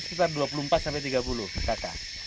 sekitar dua puluh empat sampai tiga puluh kakak